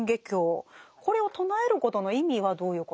これを唱えることの意味はどういうことなんでしょうか？